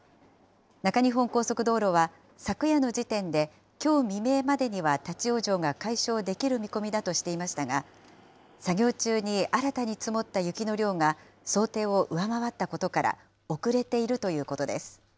中日本高速道路は昨夜の時点できょう未明までには立往生が解消できる見込みだとしていましたが、作業中に新たに積もった雪の量が、想定を上回ったことから、遅れているということです。